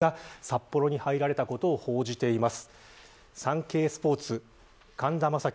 お二人が札幌に入られたことを報じています。